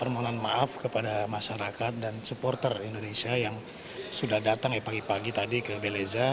mohon maaf kepada masyarakat dan supporter indonesia yang sudah datang pagi pagi tadi ke beleza